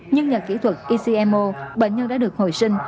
nhưng nhờ kỹ thuật ecmo bệnh nhân đã được hồi sinh